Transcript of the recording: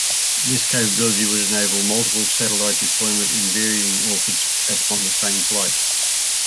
This capability would enable multiple satellite deployment in varying orbits on same flight.